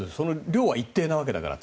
量は一定なわけだから。